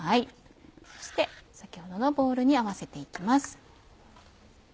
そして先ほどのボウルに合わせて行きます。